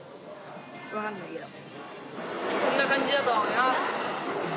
こんな感じだと思います。